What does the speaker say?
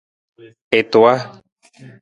I tuwa.